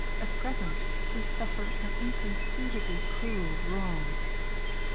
At present we suffer an inconceivably cruel wrong."